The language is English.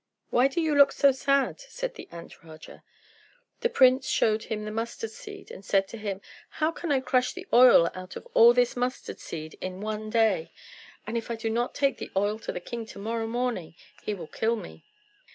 "Why do you look so sad?" said the Ant Raja. The prince showed him the mustard seed, and said to him, "How can I crush the oil out of all this mustard seed in one day? And if I do not take the oil to the king to morrow morning, he will kill me."